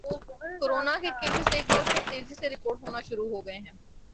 corona کے cases ایک بار پھر تیزی سے رپورٹ ہونا شروع ہوگئے